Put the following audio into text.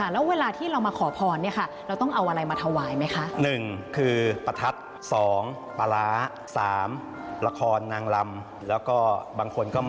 แล้วเวลาที่เรามาขอพรเนี่ยค่ะเราต้องเอาอะไรมาถวายไหมคะ